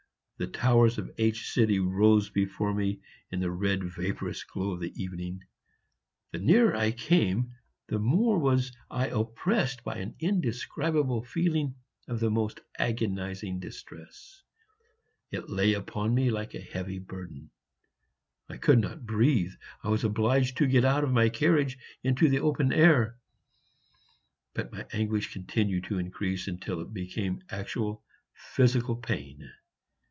The towers of H rose before me in the red vaporous glow of the evening; the nearer I came the more was I oppressed by an indescribable feeling of the most agonizing distress; it lay upon me like a heavy burden; I could not breathe; I was obliged to get out of my carriage into the open air. But my anguish continued to increase until it became actual physical pain.